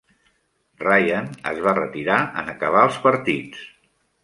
Ryan es va retirar en acabar els partits.